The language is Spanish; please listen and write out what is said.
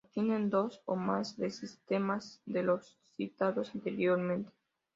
Contienen dos o más de sistemas de los citados anteriormente.